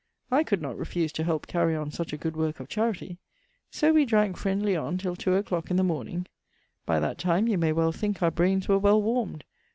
I could not refuse to help carry on such a good worke of charity. So we drank friendly on till 2 a clock i' th' morning. By that time you may well thinke our braines were well warmd.